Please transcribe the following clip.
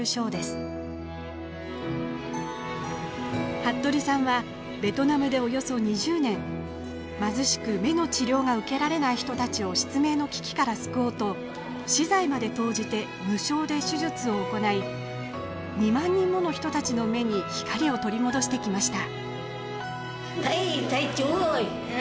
服部さんはベトナムでおよそ２０年貧しく目の治療が受けられない人たちを失明の危機から救おうと私財まで投じて無償で手術を行い２万人もの人たちの目に光を取り戻してきました。